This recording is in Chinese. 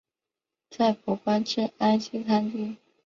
在晋官至安西参军。